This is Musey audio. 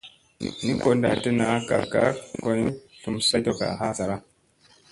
Ni ko ndatta naa, gak gak koyni slum saytokka ha sara.